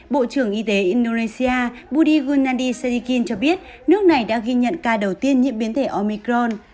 bộ trưởng y tế indonesia budi gunandi sajikin cho biết nước này đã ghi nhận ca đầu tiên nhiễm biến thể omicron